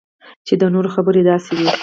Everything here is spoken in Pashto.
چې د نورو خبرې داسې وي